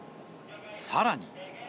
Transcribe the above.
さらに。